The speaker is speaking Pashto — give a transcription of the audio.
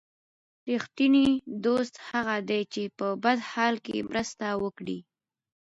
رښتینی دوست هغه دی چې په بد حال کې مرسته وکړي.